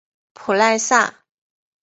普赖萨。